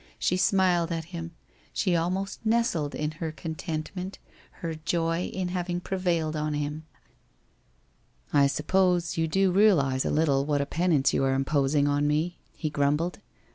She smiled at him, she almost nestled, in her contentment, her joy in having prevailed on him. ' I suppose that you do realize a little what a penance you WHITE ROSE OF WEARY LEAF 315 are imposing on me,' he grumbled.